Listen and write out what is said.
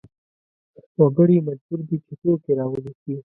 وګړي مجبور دي چې توکې راونیسي.